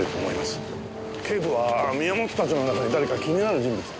警部は宮本たちの中に誰か気になる人物でも？